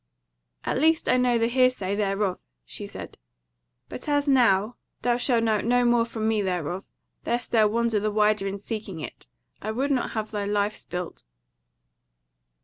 "At least I know the hearsay thereof," she said; "but as now thou shalt know no more from me thereof; lest thou wander the wider in seeking it. I would not have thy life spilt."